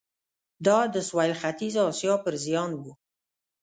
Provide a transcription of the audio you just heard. دا د سوېل ختیځې اسیا پر زیان و.